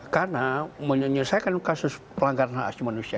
karena menyelesaikan kasus pelanggaran ham ini